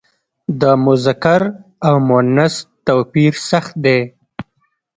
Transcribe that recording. د مذکر او مونث توپیر سخت دی.